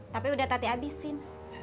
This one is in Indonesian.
tapi udah tati abisin